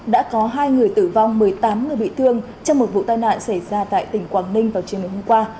đã có hai người tử vong một mươi tám người bị thương trong một vụ tai nạn xảy ra tại tỉnh quảng ninh vào chiều ngày hôm qua